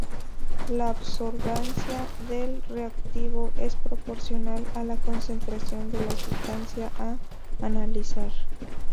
La absorbancia del reactivo es proporcional a la concentración de la sustancia a analizar.